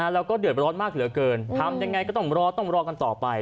เราก็เดือดร้อนมากหลังเกินทำยังไงก็ต้องรอกันต่อไป